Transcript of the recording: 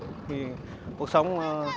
thì cuộc sống